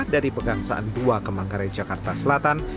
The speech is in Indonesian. dari pegang saan dua ke mangkare jakarta selatan